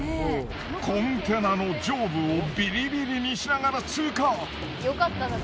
コンテナの上部をビリビリにしながら通過。